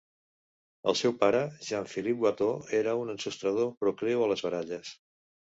El seu pare, Jean-Philippe Watteau, era un ensostrador procliu a les baralles.